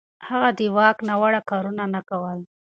هغه د واک ناوړه کارونه نه کول.